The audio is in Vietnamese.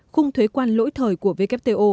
khung thuế quan lỗi thời của wto